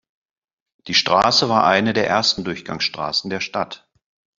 Die Straße war eine der ersten Durchgangsstraßen der Stadt.